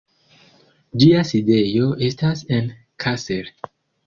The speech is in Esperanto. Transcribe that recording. Ĝia sidejo estas en Kassel.